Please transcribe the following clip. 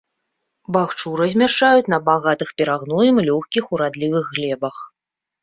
Бахчу размяшчаюць на багатых перагноем лёгкіх урадлівых глебах.